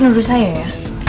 kamu jadi nuduh saya ya